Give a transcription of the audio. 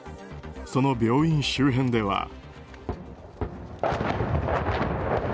その病院周辺では。